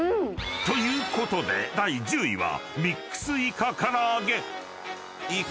［ということで第１０位は］